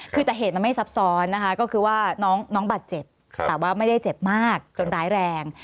คือแต่เหตุมันไม่ซับซ้อนนะคะก็คือว่าน้องบาดเจ็บแต่ว่าไม่ได้เจ็บมากจนร้ายแรง